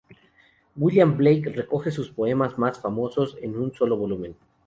William Blake recoge sus poemas más famosos en un solo volumen.